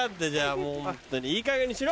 もうホントにいいかげんにしろ！